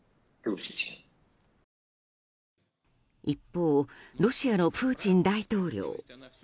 一方ロシアのプーチン大統領。